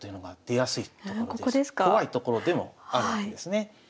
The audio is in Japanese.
怖いところでもあるわけですね。